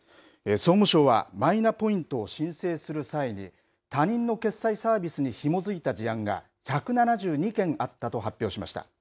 総務省は、マイナポイントを申請する際に、他人の決済サービスにひも付いた事案が１７２件あったと発表しました。